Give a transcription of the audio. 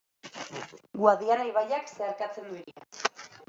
Guadiana ibaiak zeharkatzen du hiria.